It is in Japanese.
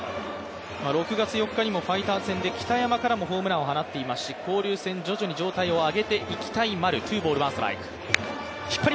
６月４日にファイターズ戦で北山からもホームランを放っていますし、交流戦徐々に状態を上げていきたい丸。